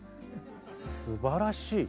すばらしい！